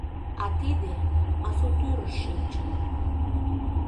А тиде... пасу тӱрыш шинчын